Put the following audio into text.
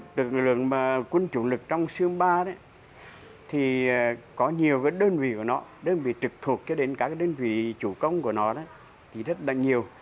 cái lực lượng quân chủ lực trong sương ba thì có nhiều đơn vị của nó đơn vị trực thuộc cho đến các đơn vị chủ công của nó thì rất là nhiều